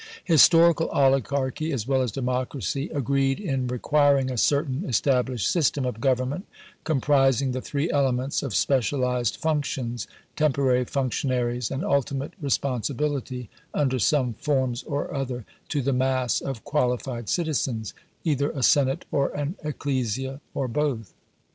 Historical oligarchy, as well as democracy, agreed in requiring a certain established system of government, comprising the three elements of specialised functions, temporary functionaries, and ultimate responsibility (under some forms or other) to the mass of qualified citizens either a Senate or an Ecclesia, or both.